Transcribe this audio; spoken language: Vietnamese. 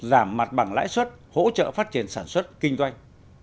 giảm mặt bằng lãi suất hỗ trợ phát triển sản xuất kinh doanh